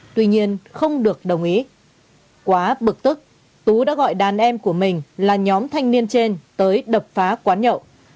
tuy nhiên không được đồng ý quá bực tức tú đã gọi đàn em của mình là nhóm thanh niên trên tới đập phá quán nhậu